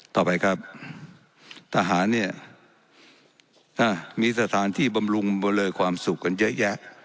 ต่อไปครับทหารเนี่ยมีสถานที่บำรุงเบลอความสุขกันเยอะแยะ